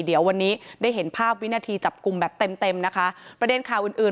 เดี๋ยววันนี้ได้เห็นภาพวินาทีจับกลุ่มแบบเต็มเต็มนะคะประเด็นข่าวอื่นอื่น